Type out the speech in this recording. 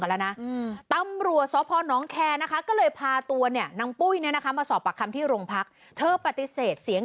จริงจริงจริงจริงจริงจริงจริงจริงจริง